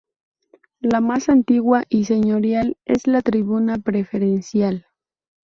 La más antigua y señorial es la Tribuna Preferencial.